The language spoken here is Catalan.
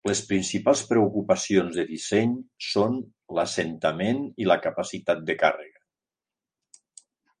Les principals preocupacions de disseny són l'assentament i la capacitat de càrrega.